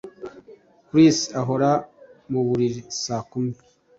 Chris ahora muburiri saa kumi